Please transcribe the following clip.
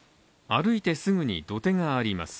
歩いてすぐに土手があります。